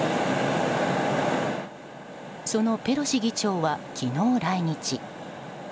そのペロシ議長は昨日、来日。